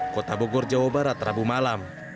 kota bogor jawa barat rabu malam